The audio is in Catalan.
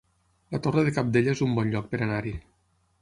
La Torre de Cabdella es un bon lloc per anar-hi